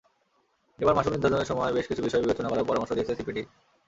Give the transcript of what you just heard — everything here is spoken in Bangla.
এসব মাশুল নির্ধারণের সময় বেশ কিছু বিষয় বিবেচনা করার পরামর্শ দিয়েছে সিপিডি।